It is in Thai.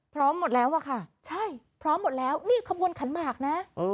หมดแล้วอะค่ะใช่พร้อมหมดแล้วนี่ขบวนขันหมากนะ